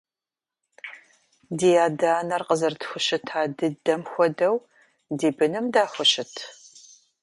Ди адэ-анэр къызэрытхущыта дыдэм хуэдэу ди быным дахущыт?